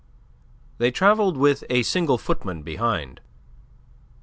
They travelled with a single footman behind.